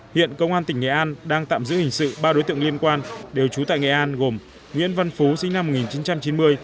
hiện công an tỉnh nghệ an đang tạm giữ hình sự ba đối tượng liên quan đều trú tại nghệ an gồm nguyễn văn phú sinh năm một nghìn chín trăm chín mươi